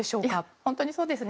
本当にそうですね。